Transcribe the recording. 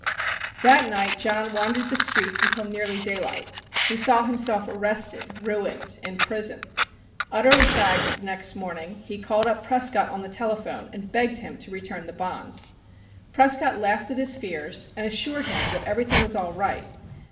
That night John wandered the streets till nearly daylight. He saw himself arrested, ruined, in prison. Utterly fagged next morning, he called up Prescott on the telephone and begged him to return the bonds. Prescott laughed at his fears and assured him that everything was all right.